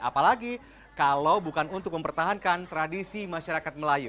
apalagi kalau bukan untuk mempertahankan tradisi masyarakat melayu